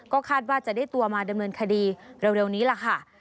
ก็คาดว่าจะได้ตัวมาดำเนินคดีเร็วนี้ล่ะค่ะ